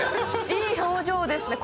いい表情ですね。